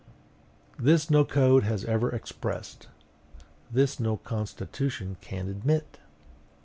This no code has ever expressed; this no constitution can admit!